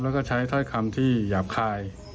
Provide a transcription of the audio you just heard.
แล้วก็ใช้ถ้อยคำที่หยาบคาย